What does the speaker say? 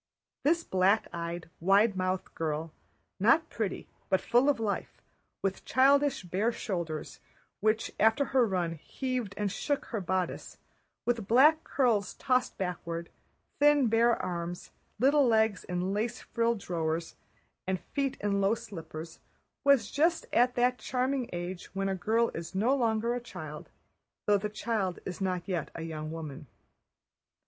This black eyed, wide mouthed girl, not pretty but full of life—with childish bare shoulders which after her run heaved and shook her bodice, with black curls tossed backward, thin bare arms, little legs in lace frilled drawers, and feet in low slippers—was just at that charming age when a girl is no longer a child, though the child is not yet a young woman.